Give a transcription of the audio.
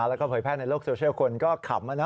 แล้วก็เผยแพร่ในโลกโซเชียลคนก็ขำ